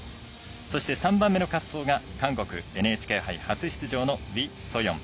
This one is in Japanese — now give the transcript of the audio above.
そして、３番目の滑走が韓国、ＮＨＫ杯初出場のウィ・ソヨン。